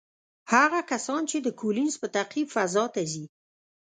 هغه کسان چې د کولینز په تعقیب فضا ته ځي،